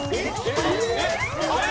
あれ？